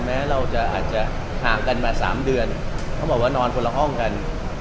แม้เราจะอาจจะห่างกันมา๓เดือนเขาบอกว่านอนคนละห้องกัน